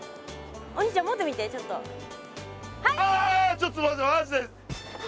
ちょっと待てマジで！